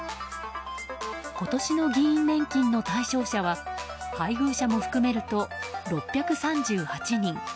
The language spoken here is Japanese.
今年の議員年金の対象者は配偶者も含めると６３８人。